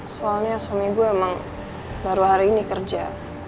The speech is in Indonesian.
soalnya suami gue emang baru hari ini kerja